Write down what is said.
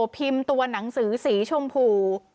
พิมพ์ตัวหนังสือสีชมพู